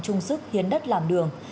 chung sức hiến đất làm đường